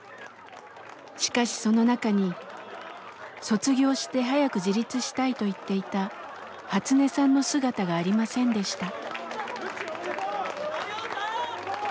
しかしその中に卒業して早く自立したいと言っていたハツネさんの姿がありませんでした。